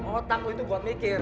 otak itu buat mikir